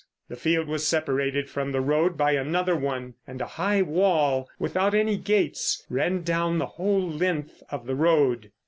The field was separated from the road by another one, and a high wall without any gates ran down the whole length of the road.